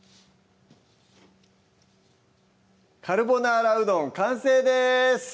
「カルボナーラうどん」完成です